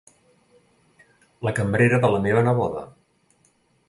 La cambrera de la meva neboda.